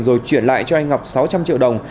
rồi chuyển lại cho anh ngọc sáu trăm linh triệu đồng